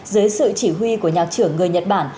dưới sự chỉ huy của nhạc trưởng người nhật bản